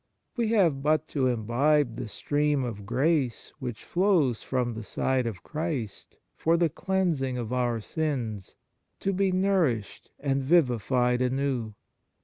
We have but to imbibe the stream of grace which flows from the side of Christ for the cleansing of our sins to be nourished and vivified anew.